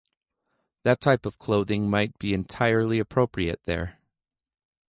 That type of clothing might be entirely appropriate there.